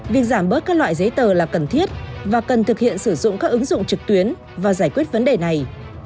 việc giảm bớt các loại giấy tờ là cần thiết và cần thực hiện sử dụng các ứng dụng trực tuyến và giải quyết vấn đề này